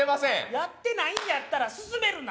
やってないんやったら勧めるな！